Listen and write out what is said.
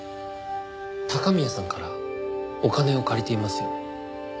高宮さんからお金を借りていますよね？